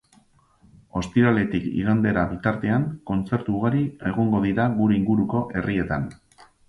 Ostiraletik igandera bitartean kontzertu ugari egongo dira gure inguruko herrietan.